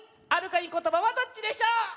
「あるカニことば」はどっちでしょう？